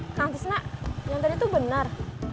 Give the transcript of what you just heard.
eh kang tisna yang tadi tuh benar